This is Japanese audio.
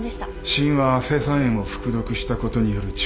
死因は青酸塩を服毒したことによる中毒死。